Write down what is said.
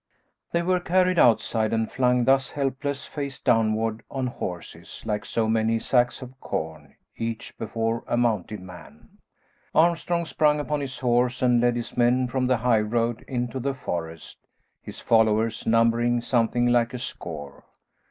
They were carried outside and flung thus helpless, face downward on horses, like so many sacks of corn, each before a mounted man. Armstrong sprung upon his horse and led his men from the high road into the forest, his followers numbering something like a score.